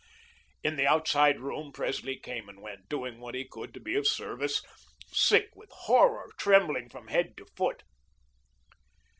In the outside room, Presley came and went, doing what he could to be of service, sick with horror, trembling from head to foot.